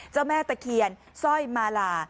เจ้าแม่ตะเคียนสร้อยมาลา